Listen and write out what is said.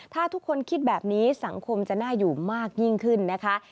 ถ้าทุกคนคิดแบบนี้สังคมจะน่าอยู่มากยิ่งขึ้นนะคะ